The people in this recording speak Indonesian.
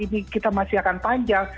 ini kita masih akan panjang